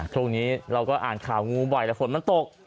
ช่วงนี้เราก็อ่านข่าวงูบ่อยแล้วฝนมันตก